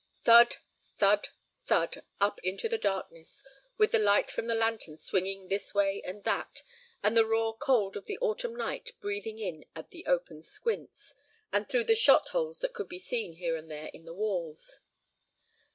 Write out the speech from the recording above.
Thud, thud, thud, up into the darkness, with the light from the lantern swinging this way and that, and the raw cold of the autumn night breathing in at the open squints, and through the shot holes that could be seen here and there in the walls.